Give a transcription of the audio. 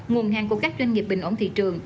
nguồn hàng của các doanh nghiệp bình ổn thị trường